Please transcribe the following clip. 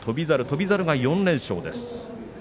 翔猿が４連勝です。